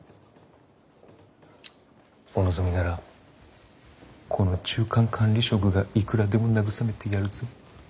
お望みならこの中間管理職がいくらでも慰めてやるぞ。